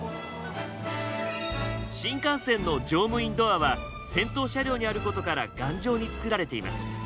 新幹線の乗務員ドアは先頭車両にあることから頑丈に作られています。